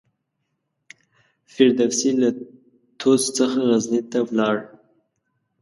فردوسي له طوس څخه غزني ته ولاړ.